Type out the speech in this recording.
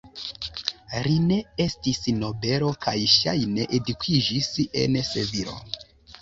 Li ne estis nobelo kaj ŝajne edukiĝis en Sevilo.